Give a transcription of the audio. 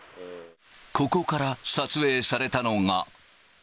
ここから撮影されたのが。